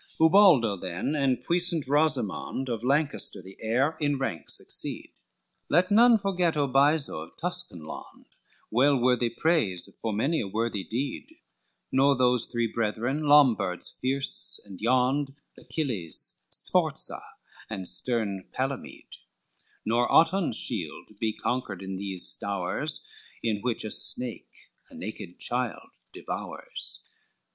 LV Ubaldo then, and puissant Rosimond, Of Lancaster the heir, in rank succeed; Let none forget Obizo of Tuscain land, Well worthy praise for many a worthy deed; Nor those three brethren, Lombards fierce and yond, Achilles, Sforza, and stern Palamede; Nor Otton's shield he conquered in those stowres, In which a snake a naked child devours.